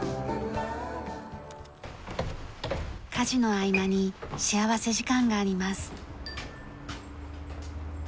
家事の合間に幸福時間があります。